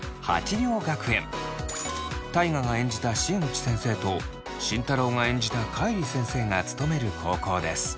大我が演じた新内先生と慎太郎が演じた海里先生が勤める高校です。